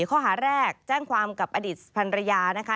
ข้อหาแรกแจ้งความกับอดีตพันรยานะคะ